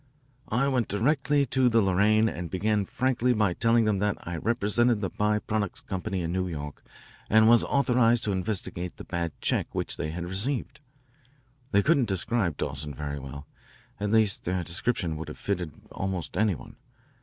"I went directly to the Lorraine and began frankly by telling them that I represented the By Products Company in New York and was authorised to investigate the bad check which they had received. They couldn't describe Dawson very well at least their description would have fitted almost any one.